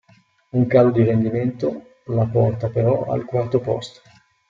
Un calo di rendimento la porta, però, al quarto posto.